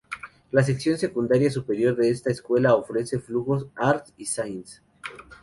La sección secundaria superior de esta escuela ofrece flujos Arts y Science.